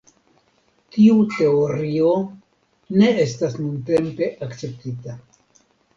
Tiu teorio ne estas nuntempe akceptita.